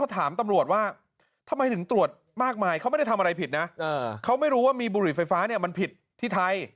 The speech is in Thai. ถามตำรวจว่าทำไมถึงตรวจมากมายเขาไม่ได้ทำอะไรผิดนะเขาไม่รู้ว่ามีบุหรี่ไฟฟ้าเนี่ยมันผิดที่ไทย